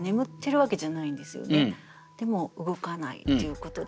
でも動かないっていうことで。